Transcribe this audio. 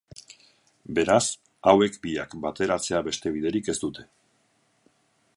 Beraz, hauek biak bateratzea beste biderik ez dute.